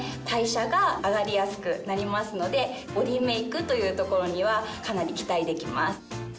代謝が上がりやすくなりますのでボディーメイクというところにはかなり期待できます。